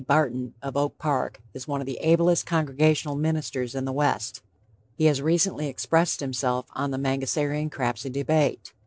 Barton, of Oak Park, is one of the ablest Congregational ministers in the West. He has recently expressed himself on the Mangasarian Crapsey Debate.